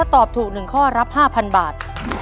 ตอบถูก๑ข้อรับ๕๐๐บาท